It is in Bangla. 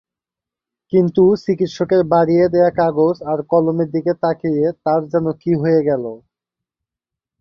কিন্তু চিকিৎসকের বাড়িয়ে দেয়া কাগজ আর কলমের দিকে তাকিয়ে তার যেন কী হয়ে গেল।